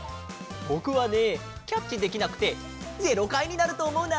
ぼくはねキャッチできなくて０かいになるとおもうな！